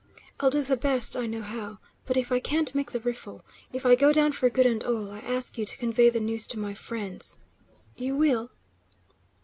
I'll do the best I know how, but if I can't make the riffle, if I go down for good and all, I ask you to convey the news to my friends. You will?"